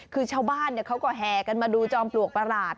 คือชาวบ้านเขาก็แห่กันมาดูจอมปลวกประหลาด